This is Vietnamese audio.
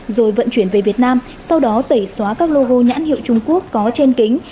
rồi vận chuyển về việt nam sau đó tẩy xóa các logo nhãn hiệu trung quốc có trên kính